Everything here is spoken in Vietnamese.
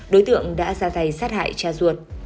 đối tượng đã ra tay sát hại cha ruột